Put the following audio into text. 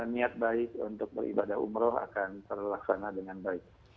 niat baik untuk beribadah umroh akan terlaksana dengan baik